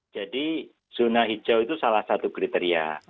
jadi zona hijau itu salah satu kriteria